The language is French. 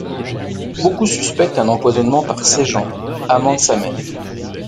Beaucoup suspectent un empoisonnement par Séjan, amant de sa mère.